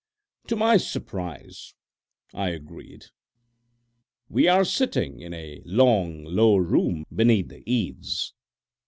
To my surprise I agreed. We are sitting in a long, low room beneath the eaves.